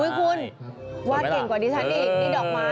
อุ๊ยคุณวาดเก่งกว่าดิฉันอีกงั้นเป็นรูปดอกไม้